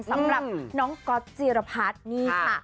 สำหรับน้องก๊อตจิรพัฒน์นี่ค่ะ